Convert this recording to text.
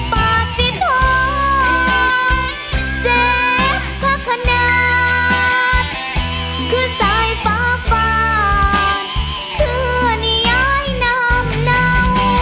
ปากติดทองเจ็บข้าขนาดเครื่องสายฟ้าฝาดเครื่องย้ายนามเนา